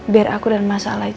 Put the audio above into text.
biar aku dan masalah itu